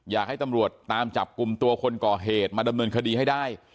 อยากให้ตำรวจตามจับกลุ่มตัวคนก่อเหตุมาดำเนินคดีให้ได้